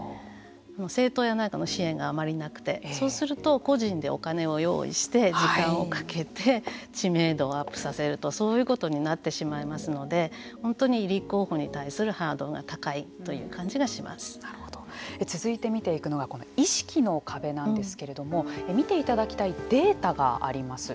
政党などの支援がなくてそうすると個人でお金を用意して時間をかけて知名度をアップさせるとそういうことになってしまいますので本当に立候補に対するハードルが続いて見ていくのが意識の壁なんですけれども見ていただきたいデータがあります。